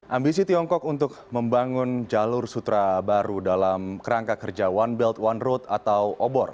ambisi tiongkok untuk membangun jalur sutra baru dalam kerangka kerja one belt one road atau obor